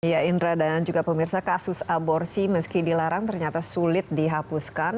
ya indra dan juga pemirsa kasus aborsi meski dilarang ternyata sulit dihapuskan